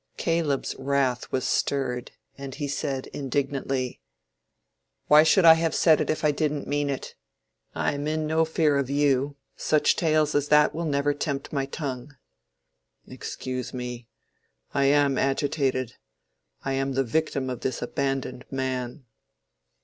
Caleb's wrath was stirred, and he said, indignantly— "Why should I have said it if I didn't mean it? I am in no fear of you. Such tales as that will never tempt my tongue." "Excuse me—I am agitated—I am the victim of this abandoned man."